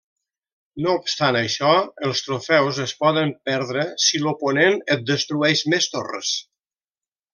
No obstant això, els trofeus es poden perdre si l'oponent et destrueix més torres.